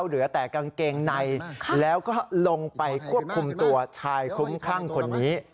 เหลือแต่กางเกงในแล้วก็ลงไปควบคุมตัวชายคลุ้มคลั่งคนนี้